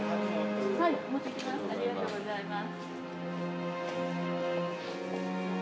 ありがとうございます。